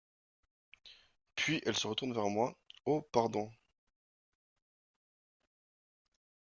Puis elle se retourne vers moi: — Oh, pardon.